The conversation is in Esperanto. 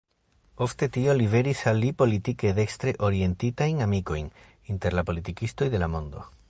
Ofte tio liveris al li politike dekstre-orientitajn amikojn inter la politikistoj de la mondo.